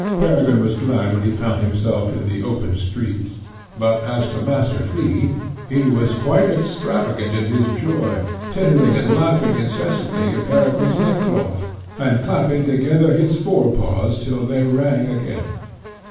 Peregrine was glad when he found himself in the open street; but as to Master Flea, he was quite extravagant in his joy, tittering and laughing incessantly in Peregrine's neckcloth, and clapping together his fore paws till they rang again.